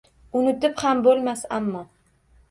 Unutib ham bo’lmas ammo.